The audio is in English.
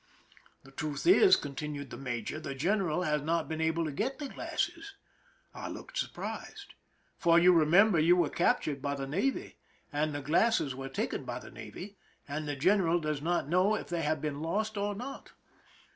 " The truth is," continued the major, '* the general has not been able to get the glasses,"— I looked surprised,— "for you remember you were captured by the navy, and the glasses were taken by the navy, and the general does not know if they have been lost or not.